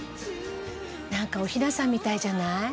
何かおひなさんみたいじゃない？